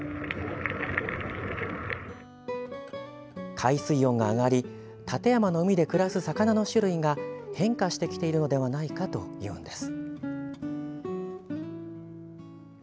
海水温が上がり館山の海で暮らす魚の種類が変化してきているのではないかというのです。